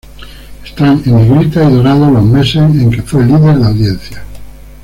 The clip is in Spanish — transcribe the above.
Están en negrita y dorado los meses en que fue líder de audiencia.